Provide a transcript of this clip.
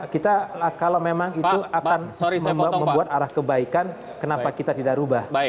kita kalau memang itu akan membuat arah kebaikan kenapa kita tidak rubah